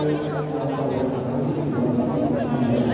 คุณความความโดีสึกมึงคุณค่ะ